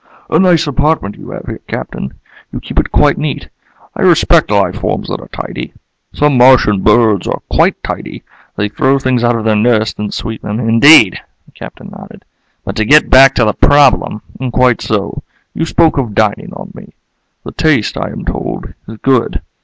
"A nice apartment you have here, Captain. You keep it quite neat. I respect life forms that are tidy. Some Martian birds are quite tidy. They throw things out of their nests and sweep them " "Indeed." The Captain nodded. "But to get back to the problem " "Quite so. You spoke of dining on me. The taste, I am told, is good.